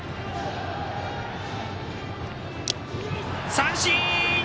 三振！